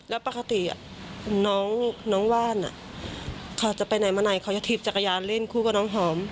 แล้วปกติน้องว่านเขาจะไปไหนมาไหนเขาจะถีบจักรยานเล่นคู่กับน้องหอม